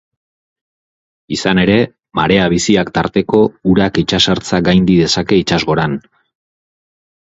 Izan ere, marea biziak tarteko, urak itsasertza gaindi dezake itsasgoran.